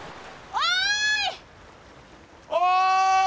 おい！